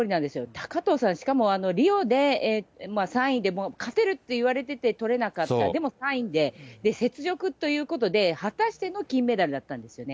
高藤さん、しかもリオで３位で、勝てるっていわれてて、とれなかった、でも３位で、雪辱ということで、果たしての金メダルだったんですよね。